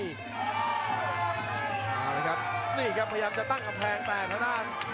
เอาละครับนี่ครับพยายามจะตั้งกำแพงแต่ทางด้าน